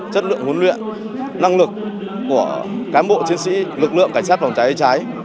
chất lượng huấn luyện năng lực của cán bộ chiến sĩ lực lượng cảnh sát vòng trái hay trái